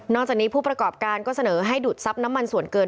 จากนี้ผู้ประกอบการก็เสนอให้ดูดทรัพย์น้ำมันส่วนเกิน